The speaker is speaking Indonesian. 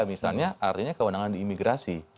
misalnya artinya kewenangan di imigrasi